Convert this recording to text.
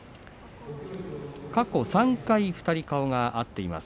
過去３回、２人の顔が合っています。